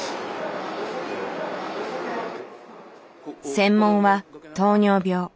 専門は糖尿病。